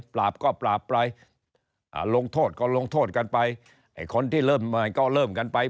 ปราบก็ปราบไปลงโทษก็ลงโทษกันไปไอ้คนที่เริ่มก็เริ่มกันไป